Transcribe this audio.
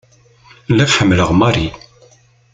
Lliɣ ḥemmleɣ Mary.